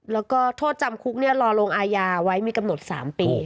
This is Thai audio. แล้วก็โทษจำคุกรอลงอายาไว้มีกำหนด๓ปี